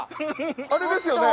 あれですよね。